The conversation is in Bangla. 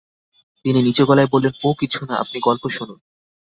তিনি নিচু গলায় বললেন, ও কিছু না, আপনি গল্প শুনুন।